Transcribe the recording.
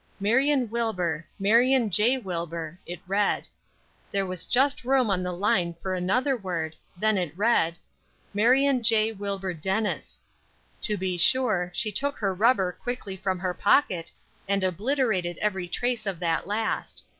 "Marion Wilbur Marion J. Wilbur," it read. There was just room on the line for another word; then it read "Marion J. Wilbur Dennis!" To be sure, she took her rubber quickly from her pocket and obliterated every trace of that last.